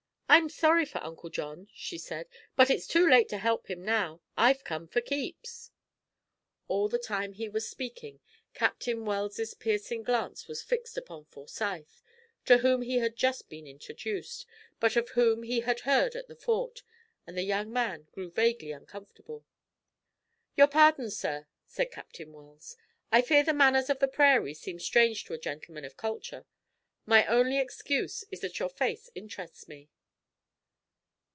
"I'm sorry for Uncle John," she said; "but it's too late to help him now. I've come for keeps." All the time he was speaking, Captain Wells's piercing glance was fixed upon Forsyth, to whom he had just been introduced, but of whom he had heard at the Fort, and the young man grew vaguely uncomfortable. "Your pardon, sir," said Captain Wells. "I fear the manners of the prairie seem strange to a gentleman of culture. My only excuse is that your face interests me."